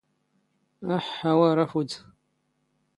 ⴰⵃⵃ, ⴰ ⵡⴰⵔ ⴰⴼⵓⴷ!